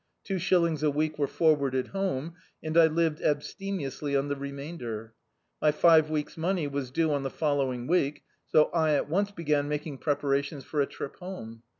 Two shillings a week were forwarded home, and I lived abstemiously on the remainder. My five weeks' mraiey was due (Hi the following week, so I at once began making prep arations for a trip home.